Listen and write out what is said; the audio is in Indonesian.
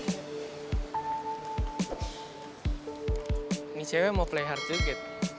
ini cewek mau play hard juga